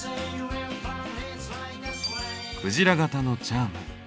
クジラ型のチャーム。